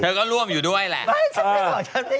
ก็ร่วมอยู่ด้วยแหละ